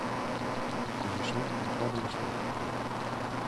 Конешне, докладым ыштен...